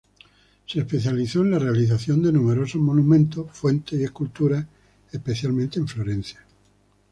Se especializó en la realización de numerosos monumentos, fuentes y esculturas especialmente en Florencia.